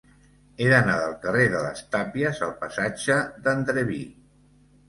He d'anar del carrer de les Tàpies al passatge d'Andreví.